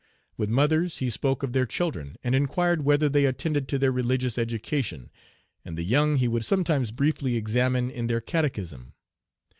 With mothers, he spoke of their children, and inquired whether they attended to their religious education; and the young he would sometimes briefly examine in their catechism.